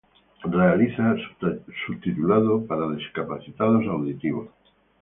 Realiza subtitulado para discapacitados auditivos.